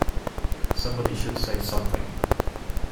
Somebody should say something